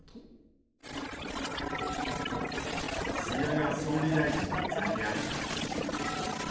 菅が総理大臣の座にあった１年。